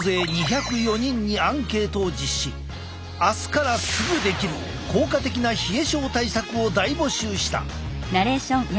明日からすぐできる効果的な冷え症対策を大募集した。